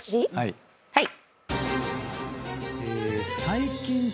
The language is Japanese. はい。